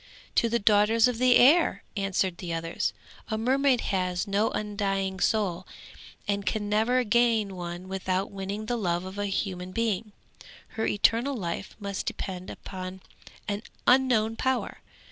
'To the daughters of the air!' answered the others; 'a mermaid has no undying soul, and can never gain one without winning the love of a human being. Her eternal life must depend upon an unknown power.